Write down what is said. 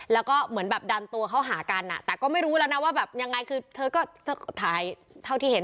แล้วก็เหมือนแบบดันตัวเข้าหากันแต่ก็ไม่รู้แล้วนะว่าแบบยังไงคือเธอก็ถ่ายเท่าที่เห็น